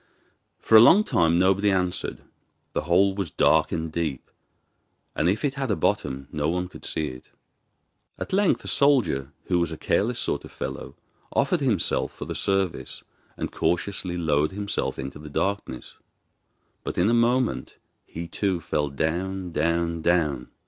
For a long time nobody answered. The hole was dark and deep, and if it had a bottom no one could see it. At length a soldier, who was a careless sort of fellow, offered himself for the service, and cautiously lowered himself into the darkness. But in a moment he, too, fell down, down, down.